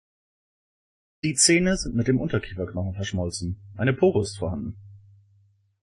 Die Zähne sind mit dem Unterkieferknochen verschmolzen, eine Pore ist vorhanden.